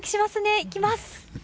行きます。